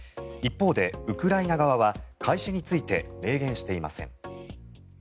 一方で、ウクライナ側は開始について明言していません。